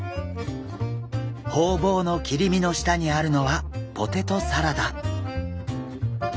ホウボウの切り身の下にあるのはポテトサラダ。